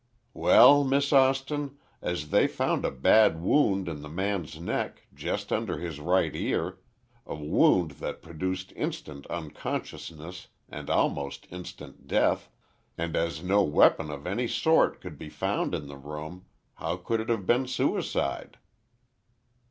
"Well, Miss Austin, as they found a bad wound in the man's neck, just under his right ear, a wound that produced instant unconsciousness and almost instant death, and as no weapon of any sort could be found in the room, how could it have been suicide?"